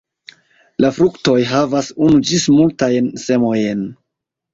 La fruktoj havas unu ĝis multajn semojn.